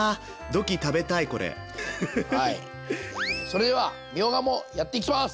それではみょうがもやっていきます！